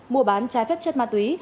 mua bán trái phép chất ma túy